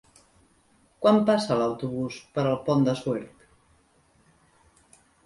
Quan passa l'autobús per el Pont de Suert?